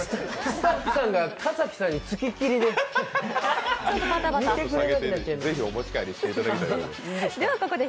スタッフさんが田崎さんに付きっきりで。